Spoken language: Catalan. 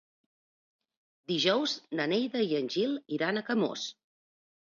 Dijous na Neida i en Gil iran a Camós.